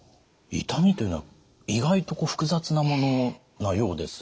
痛みというのは意外と複雑なものなようですね。